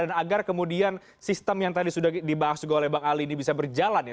dan agar kemudian sistem yang tadi sudah dibahas juga oleh bang ali ini bisa berjalan ya